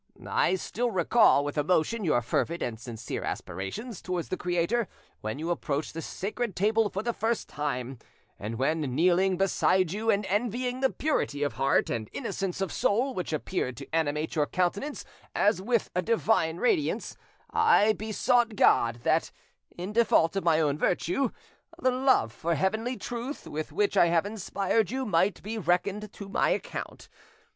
I still recall with emotion your fervid and sincere aspirations towards the Creator when you approached the Sacred Table for the first time, and when, kneeling beside you, and envying the purity of heart and innocence of soul which appeared to animate your countenance as with a divine radiance, I besought God that, in default of my own virtue, the love for heavenly Truth with which I have inspired you might be reckoned to my account.